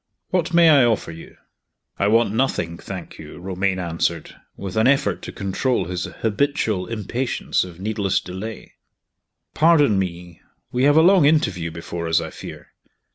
"What may I offer you?" "I want nothing, thank you," Romayne answered, with an effort to control his habitual impatience of needless delay. "Pardon me we have a long interview before us, I fear.